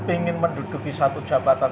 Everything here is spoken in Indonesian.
ingin menduduki satu jabatan